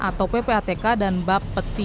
atau ppatk dan bapeti